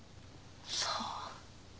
さあ？